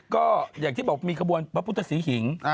ก็อย่างที่บอกมีขบวนพระพุทธศรีหิง